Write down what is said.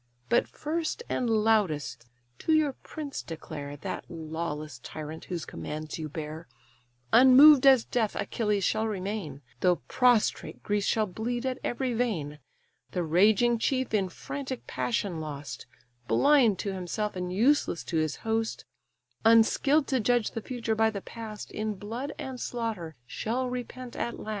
But first, and loudest, to your prince declare (That lawless tyrant whose commands you bear), Unmoved as death Achilles shall remain, Though prostrate Greece shall bleed at every vein: The raging chief in frantic passion lost, Blind to himself, and useless to his host, Unskill'd to judge the future by the past, In blood and slaughter shall repent at last."